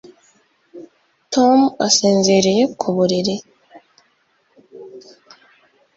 Tom asinziriye ku buriri